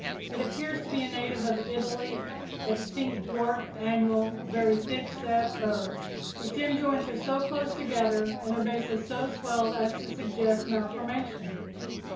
It appears to be a native of Italy, a distinct dwarf annual, very thick set herb. The stem joints are so close together and their bases so swelled as to suggest malformation.